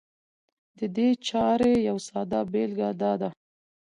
د دې چارې يوه ساده بېلګه دا ده